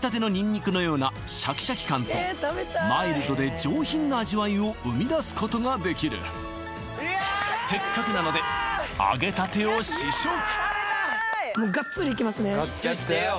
たてのニンニクのようなシャキシャキ感とマイルドで上品な味わいを生みだすことができるせっかくなのでもうがっつりいきますね・いっちゃってよ